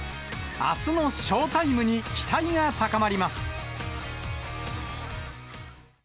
あすもショータイムに期待が高まります。